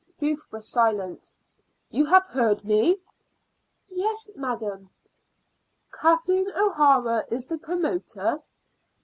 Ruth was silent. "You have heard me?" "Yes, madam." "Kathleen O'Hara is the promoter?"